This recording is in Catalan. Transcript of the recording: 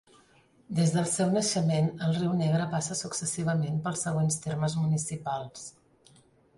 Des del seu naixement el Riu Negre passa successivament pels següents termes municipals.